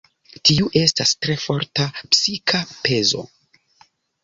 Tiu estas tre forta psika pezo.